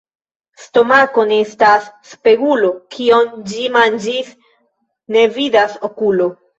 Stomako ne estas spegulo: kion ĝi manĝis, ne vidas okulo.